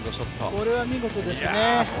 これは見事ですね。